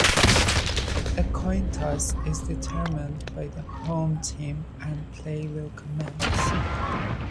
A coin toss is determined by the 'home' team and play will commence.